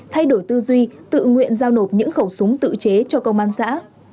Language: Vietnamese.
thay đổi tư duy tự nguyện giao nộp những khẩu súng tự chế cho công an xã